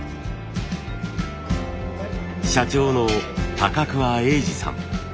社長の桑英治さん。